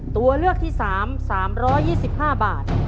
ตัวเลือกที่๓๓๒๕บาท